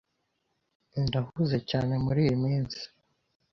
Ndahuze cyane muriyi minsi.